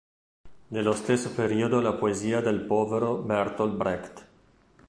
Dello stesso periodo è la poesia "Del povero Bertolt Brecht".